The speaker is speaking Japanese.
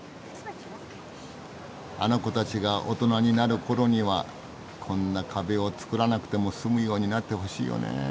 あの子たちが大人になる頃にはこんな壁をつくらなくても済むようになってほしいよねぇ。